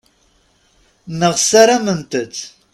Neɣ ssarament-tt.